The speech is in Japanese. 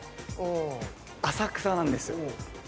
浅草なんですよ。